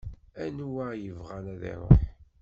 Anwa ibɣan ad ruḥ?.